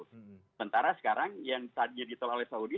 sementara sekarang yang tadinya ditolak oleh saudi